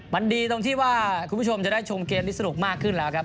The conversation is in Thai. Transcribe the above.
มันดีตรงที่ว่าคุณผู้ชมจะได้ชมเกมที่สนุกมากขึ้นแล้วครับ